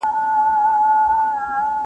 بلا له خپلي لمني پورته کیږي.